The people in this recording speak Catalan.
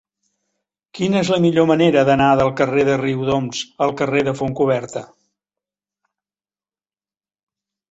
Quina és la millor manera d'anar del carrer de Riudoms al carrer de Fontcoberta?